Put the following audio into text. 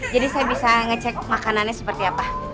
jadi saya bisa ngecek makanannya seperti apa